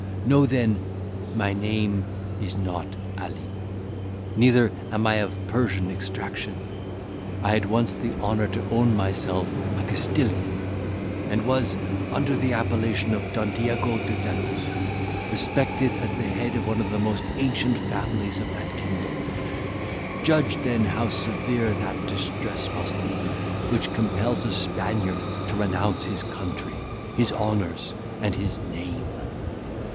Know then, my name is not Ali; neither am I of Persian extraction. I had once the honour to own myself a Castilian, and was, under the appellation of Don Diego de Zelos, respected as the head of one of the most ancient families of that kingdom. Judge, then, how severe that distress must be, which compels a Spaniard to renounce his country, his honours, and his name.